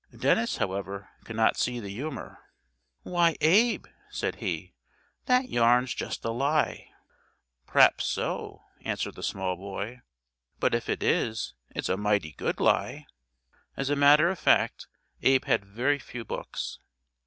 Dennis, however, could not see the humor. "Why, Abe," said he, "that yarn's just a lie." "P'raps so," answered the small boy, "but if it is, it's a mighty good lie." As a matter of fact Abe had very few books.